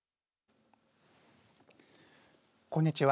こんにちは。